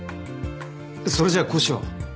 それじゃあこうしよう。